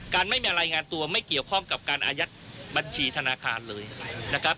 ไม่มีรายงานตัวไม่เกี่ยวข้องกับการอายัดบัญชีธนาคารเลยนะครับ